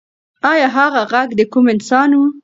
ایا هغه غږ د کوم انسان و؟